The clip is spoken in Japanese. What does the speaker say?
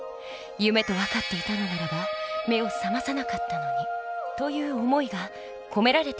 夢と分かっていたのならば目を覚まさなかったのに」という思いが込められているのです。